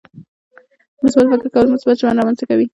• مثبت فکر کول، مثبت ژوند رامنځته کوي.